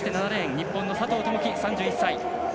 日本の佐藤友祈、３２歳。